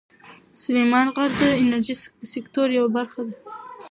سلیمان غر د انرژۍ سکتور یوه برخه ده.